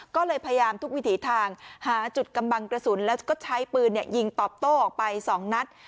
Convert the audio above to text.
ก็เลยพยายามทุกวิถีทางหาจุดกำบังกระสุนแล้วก็ใช้ปืนยิงตอบโต้ออกไป๒นัด